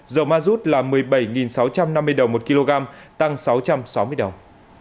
dầu ma rút là một mươi bảy sáu trăm năm mươi đồng một kg tăng sáu trăm sáu mươi đồng